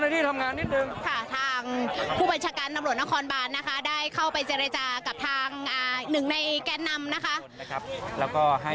ทางผู้บัญชาการอำรวจนครบาทได้เข้าไปเจรจากับทางหนึ่งในแก๊นนำ